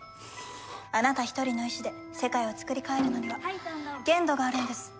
あなた一人の意志で世界をつくり変えるのには限度があるんです。